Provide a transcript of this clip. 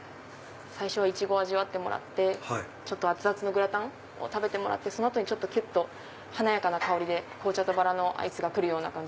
最初はイチゴを味わってもらって熱々のグラタン食べてもらってその後にきゅっと華やかな香りで紅茶とバラのアイスがくるような。